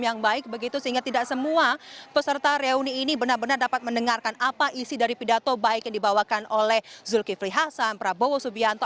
yang baik begitu sehingga tidak semua peserta reuni ini benar benar dapat mendengarkan apa isi dari pidato baik yang dibawakan oleh zulkifli hasan prabowo subianto